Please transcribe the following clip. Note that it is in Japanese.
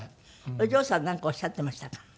お嬢さんなんかおっしゃってましたか？